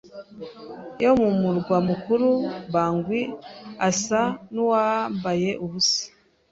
yo mu murwa mukuru Bangui asa nuwambaye ubusa